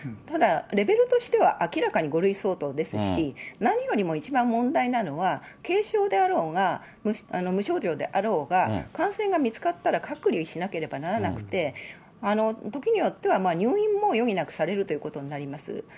ただ、レベルとしては、明らかに５類相当ですし、何よりも一番問題なのは、軽症であろうが、無症状であろうが、感染が見つかったら隔離しなければならなくて、時によっては入院も余儀なくされるということになります。